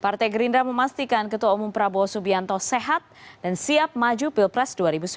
partai gerindra memastikan ketua umum prabowo subianto sehat dan siap maju pilpres dua ribu sembilan belas